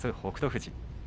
富士。